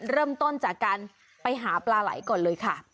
เริ่มต้นจากการไปหาปลาไหลก่อนเลยค่ะ